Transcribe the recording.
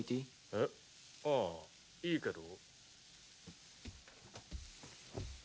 えっああいいけど。